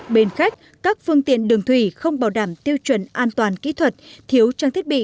bến khách các phương tiện đường thủy không bảo đảm tiêu chuẩn an toàn kỹ thuật thiếu trang thiết bị